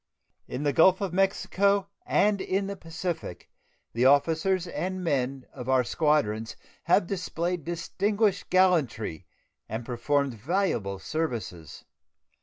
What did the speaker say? In the Gulf of Mexico and in the Pacific the officers and men of our squadrons have displayed distinguished gallantry and performed valuable services.